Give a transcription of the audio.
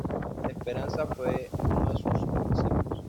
Esperanza fue uno de sus municipios.